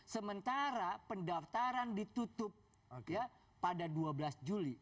sementara pendaftaran ditutup pada dua belas juli